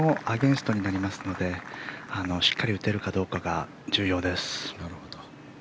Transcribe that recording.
風もアゲンストになりますのでしっかり打てるかどうかが重要です。